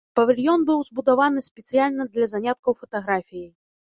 Павільён быў збудаваны спецыяльна для заняткаў фатаграфіяй.